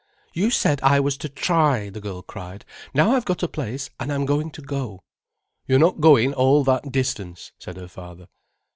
"You said I was to try," the girl cried. "Now I've got a place and I'm going to go." "You're not going all that distance," said her father.